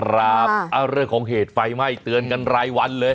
ครับเรื่องของเหตุไฟไหม้เตือนกันรายวันเลย